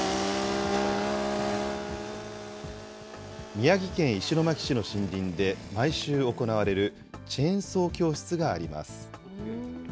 宮城県石巻市の森林で、毎週行われるチェーンソー教室があります。